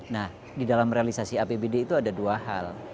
nah di dalam realisasi apbd itu ada dua hal